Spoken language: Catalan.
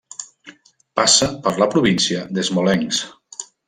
Passa per la província de Smolensk.